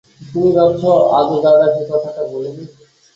তুমি ভাবছ আজও দাদা সে কথাটা ভোলে নি।